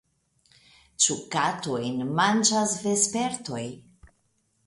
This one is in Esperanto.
Ĉu katojn manĝas vespertoj?